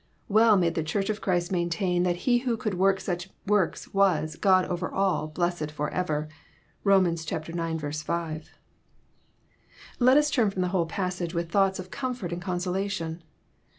— ^Well may the Church of Christ main* tain that He who could work such works was ^^ God over all blessed forever." (Rom. ix. 5.) Let us turn from the whole passage with thoughts of comfort and consolation.